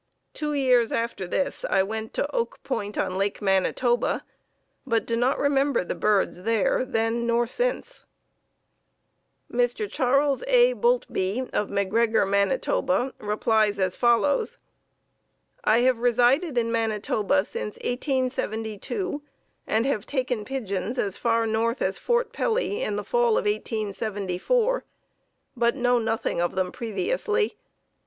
Two years after this I went to Oak Point on Lake Manitoba, but do not remember the birds there then nor since." Mr. Charles A. Boultbee of Macgregor, Man., replies as follows: "I have resided in Manitoba since 1872, and have taken pigeons as far north as Fort Pelly in the fall of 1874, but know nothing of them previously.